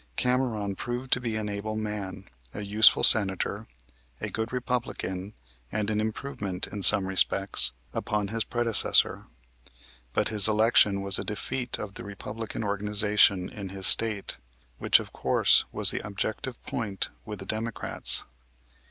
Cameron proved to be an able man, a useful Senator, a good Republican and an improvement, in some respects, upon his predecessor; but his election was a defeat of the Republican organization in his State, which, of course, was the objective point with the Democrats.